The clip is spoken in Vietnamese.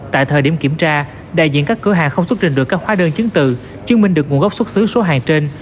tại thời điểm kiểm tra đại diện các cửa hàng không xuất trình được các hóa đơn chứng từ chứng minh được nguồn gốc xuất xứ số hàng trên